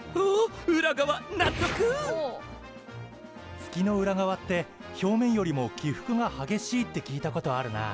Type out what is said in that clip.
月の裏側って表面よりも起伏が激しいって聞いたことあるなあ。